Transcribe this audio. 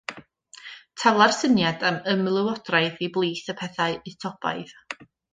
Tafla'r syniad am ymlywodraeth i blith y pethau Utopaidd.